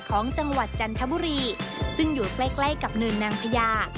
ของจังหวัดจันทบุรีซึ่งอยู่ใกล้ใกล้กับเนินนางพญา